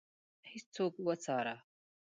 هیڅوک وڅاره.